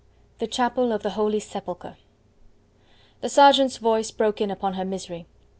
THE CHAPEL OF THE HOLY SEPULCHRE The sergeant's voice broke in upon her misery.